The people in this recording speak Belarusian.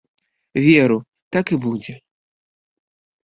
Веру, так і будзе.